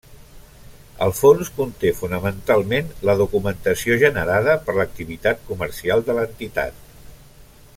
El fons conté fonamentalment la documentació generada per l’activitat comercial de l’entitat.